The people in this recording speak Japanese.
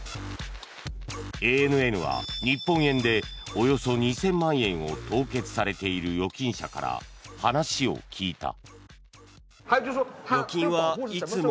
ＡＮＮは日本円でおよそ２０００万円を凍結されている預金者から話を聞いた。